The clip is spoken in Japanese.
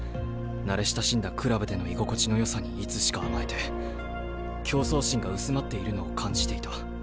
慣れ親しんだクラブでの居心地のよさにいつしか甘えて競争心が薄まっているのを感じていた。